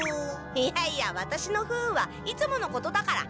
いやいやワタシの不運はいつものことだから。